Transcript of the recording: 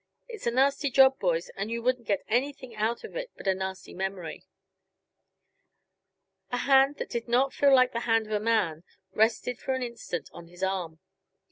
It's a nasty job, boys, and you wouldn't get anything out of it but a nasty memory." A hand that did not feel like the hand of a man rested for an instant on his arm.